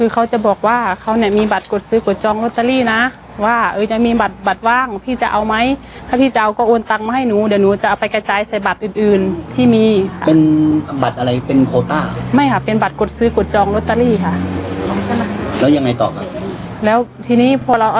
ก็เพิ่มขึ้นเรื่อยเรื่อยค่ะจากงดงดที่แล้วสองบาทคนนี้